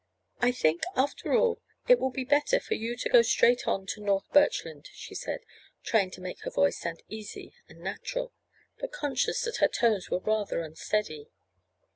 "I think, after all, it will be better for you to go straight on to North Birchland," she said, trying to make her voice sound easy and natural, but conscious that her tones were rather unsteady.